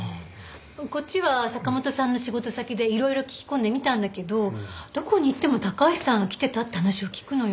こっちは坂本さんの仕事先でいろいろ聞き込んでみたんだけどどこに行っても高橋さんが来てたって話を聞くのよ。